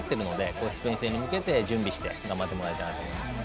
このスペイン戦に向けて準備して頑張ってもらいたいなと思います。